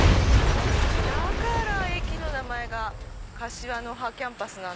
だから駅の名前が柏の葉キャンパス。